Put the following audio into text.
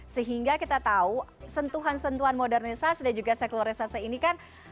sehingga kita tahu sentuhan sentuhan modernisasi dan juga sekularisasi ini kan